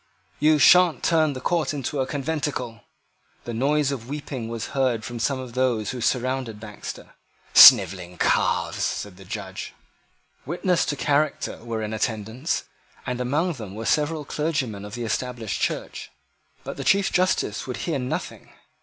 "You sha'n't turn the court into a conventicle." The noise of weeping was heard from some of those who surrounded Baxter. "Snivelling calves!" said the Judge. Witnesses to character were in attendance, and among them were several clergymen of the Established Church. But the Chief Justice would hear nothing.